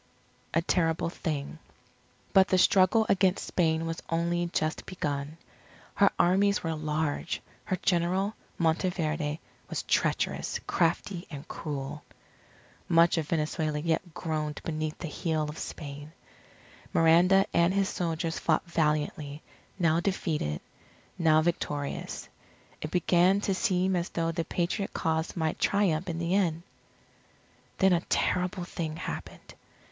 A TERRIBLE THING But the struggle against Spain was only just begun. Her armies were large. Her General, Monteverde, was treacherous, crafty, and cruel. Much of Venezuela yet groaned beneath the heel of Spain. Miranda and his soldiers fought valiantly, now defeated, now victorious. It began to seem as though the Patriot cause might triumph in the end. Then a terrible thing happened.